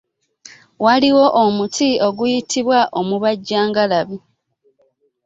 Waliwo omuti oguyitibwa omubajja ngalabi.